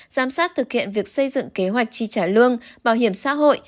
giám sát thực hiện việc xây dựng kế hoạch chi trả lương bảo hiểm xã hội